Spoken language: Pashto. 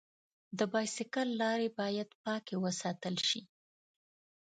د بایسکل لارې باید پاکې وساتل شي.